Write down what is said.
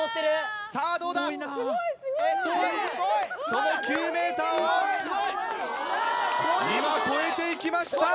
その９ｍを今超えて行きました！